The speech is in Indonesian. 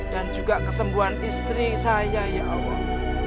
dan juga kesembuhan istri saya ya allah